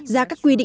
ra các nguyên liệu